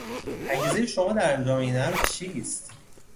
انگیزهی شما در انجام این امر چیست؟